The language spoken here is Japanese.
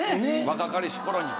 若かりし頃に。